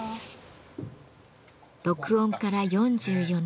録音から４４年。